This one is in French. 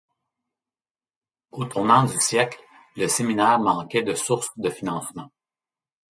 Au tournant du siècle, le Séminaire manquait de sources de financement.